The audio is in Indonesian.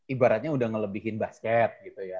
ibaratnya udah ngelebihin basket gitu ya